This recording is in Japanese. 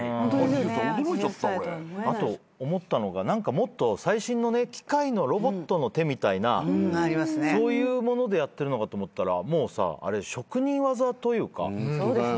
もっと最新の機械のロボットの手みたいなそういうものでやってるのかと思ったらもう職人技というか手の作業じゃん。